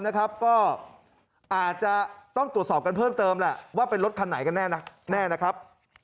ก็อาจจะต้องตรวจสอบกันเพิ่มเติมแหละว่าเป็นรถคันไหนกันแน่นะแน่นะครับ